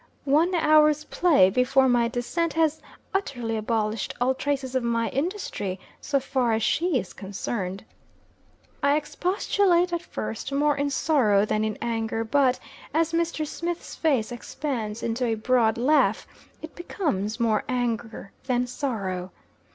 One hour's play before my descent has utterly abolished all traces of my industry, so far as she is concerned. I expostulate at first more in sorrow than in anger but as Mr. Smith's face expands into a broad laugh, it becomes more anger than sorrow.